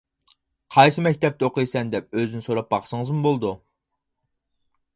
قايسى مەكتەپتە ئوقۇيسەن دەپ ئۆزىدىن سوراپ باقسىڭىزمۇ بولىدۇ.